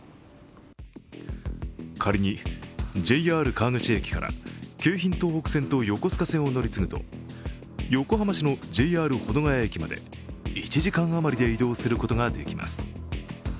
仮に、ＪＲ川口駅から京浜東北線と横須賀線を乗り継ぐと横浜市のＪＲ保土ケ谷駅まで１時間余りで移動することができます。